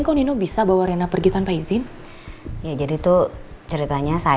kan emang bener deh